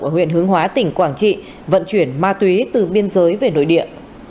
ở huyện hướng hóa tỉnh quảng trị vận chuyển ma túy từ biên giới về nội địa